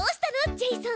ジェイソン。